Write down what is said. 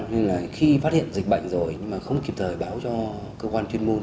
nên là khi phát hiện dịch bệnh rồi nhưng mà không kịp thời báo cho cơ quan chuyên môn